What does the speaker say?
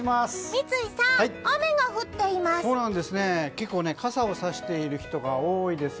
三井さん、雨が降っています。